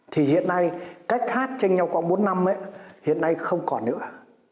thì hiện nay cách hát trên nhau quảng bốn năm ấy hiện nay không còn nữa